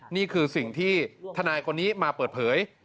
นี่คือสิ่งที่ทนายคนนี้มาเปิดเผย